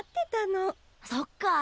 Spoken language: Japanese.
そっか。